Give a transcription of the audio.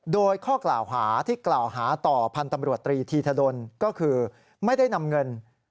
โดยข้อกล่าวหาที่กล่าวหาต่อพันธ์ตำรวจตรีธีธดลก็คือไม่ได้นำเงิน